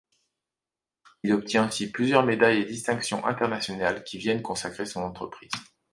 Il obtient aussi plusieurs médailles et distinctions internationales qui viennent consacrer son entreprise.